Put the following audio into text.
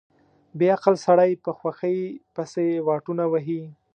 بې عقل سړی په خوښۍ پسې واټنونه وهي.